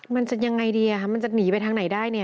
มันจะยังไงดีมันจะหนีไปทางไหนได้เนี่ย